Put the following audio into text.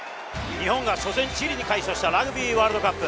日本が初戦チリに快勝したラグビーワールドカップ。